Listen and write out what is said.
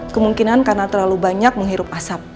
kemungkinan karena terlalu banyak menghirup asap